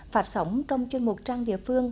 phát sóng trong chuyên mục trang địa phương